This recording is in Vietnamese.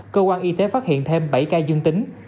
cơ quan y tế phát hiện thêm bảy ca dương tính